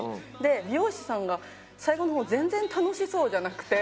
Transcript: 美容師さんが最後の方全然楽しそうじゃなくて。